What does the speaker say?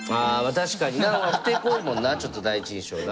確かになふてこいもんなあちょっと第一印象な。